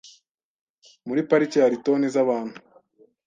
Muri parike hari toni zabantu .